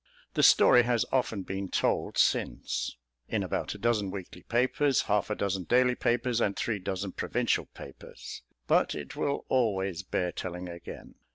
The story has often been told since in about a dozen weekly papers, half a dozen daily papers and three dozen provincial papers but it will always bear telling again.